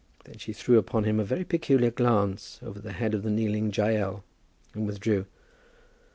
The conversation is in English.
Then she threw upon him a very peculiar glance over the head of the kneeling Jael, and withdrew.